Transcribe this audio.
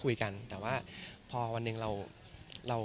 ก็มีไปคุยกับคนที่เป็นคนแต่งเพลงแนวนี้